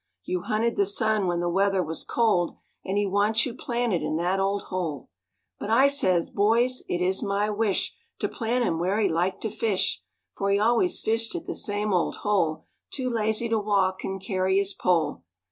You hunted the sun when the weather was cold, And he wants you planted in that old hole. But I says, 'Boys, it is my wish, To plant him where he liked to fish; For he always fished at the same old hole, Too lazy to walk and carry his pole.